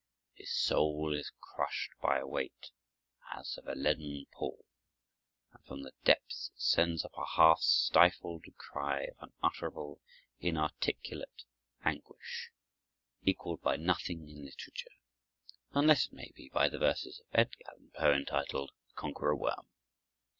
His soul is crushed by a weight as of a leaden pall, and from the depths it sends up a half stifled cry of unutterable, inarticulate anguish, equaled by nothing in literature, unless it may be by the verses of Edgar Allan Poe entitled "The Conqueror Worm."